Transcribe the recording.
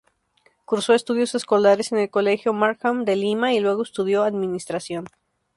Cursó estudios escolares en el Colegio Markham de Lima y luego estudió Administración.